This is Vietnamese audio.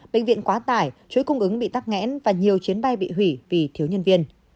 bệnh viện quá tải chuối cung ứng bị tắt ngẽn và nhiều chiến bay bị hủy vì thiếu nhân viên